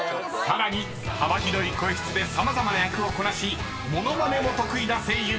［さらに幅広い声質で様々な役をこなし物まねも得意な声優］